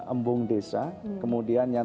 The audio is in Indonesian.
embung desa kemudian yang